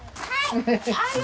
はい！